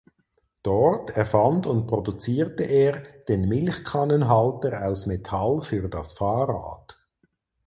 Dort erfand und produzierte er den Milchkannenhalter aus Metall für das Fahrrad.